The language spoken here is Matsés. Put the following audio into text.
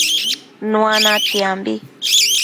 Nua natsiambi